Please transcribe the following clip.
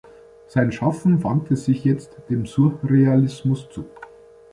Sein Schaffen wandte sich jetzt dem Surrealismus zu.